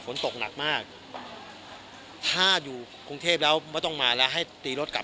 ฝนตกหนักมากถ้าอยู่กรุงเทพแล้วไม่ต้องมาแล้วให้ตีรถกลับ